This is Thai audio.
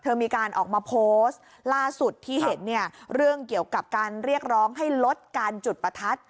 มีการออกมาโพสต์ล่าสุดที่เห็นเนี่ยเรื่องเกี่ยวกับการเรียกร้องให้ลดการจุดประทัด